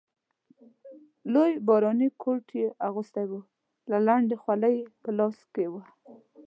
لوی باراني کوټ یې اغوستی وو او لنده خولۍ یې په لاس کې وه.